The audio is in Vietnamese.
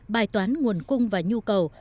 bài toán nguồn cung và nhu cầu